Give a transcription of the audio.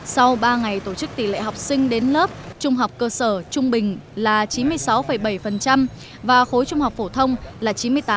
sau ba ngày tổ chức tỷ lệ học sinh đến lớp trung học cơ sở trung bình là chín mươi sáu bảy và khối trung học phổ thông là chín mươi tám tám